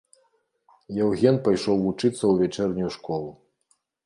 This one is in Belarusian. Яўген пайшоў вучыцца ў вячэрнюю школу.